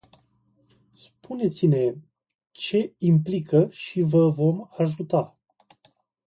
Spuneți-ne ce implică și vă vom ajuta.